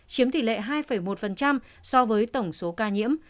chiếm tỷ lệ hai một so với tổng số ca nhiễm